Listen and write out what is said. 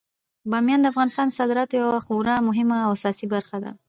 بامیان د افغانستان د صادراتو یوه خورا مهمه او اساسي برخه ده.